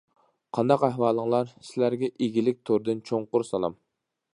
قانداق ئەھۋالىڭلار؟ سىلەرگە ئىگىلىك تورىدىن چوڭقۇر سالام!